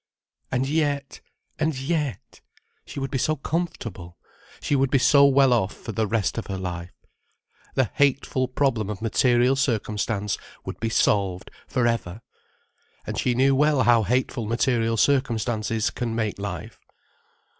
And yet! And yet! She would be so comfortable, she would be so well off for the rest of her life. The hateful problem of material circumstance would be solved for ever. And she knew well how hateful material circumstances can make life.